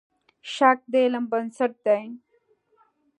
شک د علم بنسټ دی.